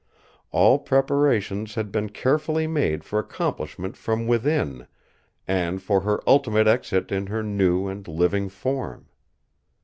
All preparations had been carefully made for accomplishment from within, and for her ultimate exit in her new and living form.